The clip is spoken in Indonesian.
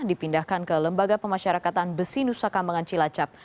dipindahkan ke lembaga pemasyarakatan besi nusa kambangan cilacap